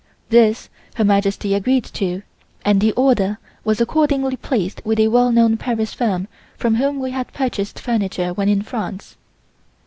This Her Majesty agreed to and the order was accordingly placed with a well known Paris firm from whom we had purchased furniture when in France.